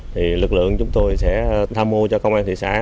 thì lực lượng chúng tôi sẽ tham mưu cho công an thị xã